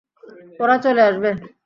ওরা চলে আসবে।